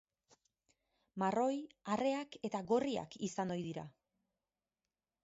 Marroi, arreak eta gorriak izan ohi dira.